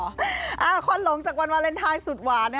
ควันหลงจากวันวาเลนไทยสุดหวาน